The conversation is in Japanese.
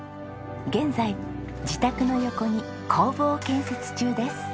現在自宅の横に工房を建設中です。